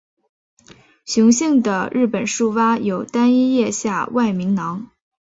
雄性的日本树蛙有单一咽下外鸣囊。